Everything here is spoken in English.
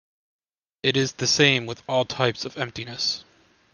It is the same with all types of emptiness.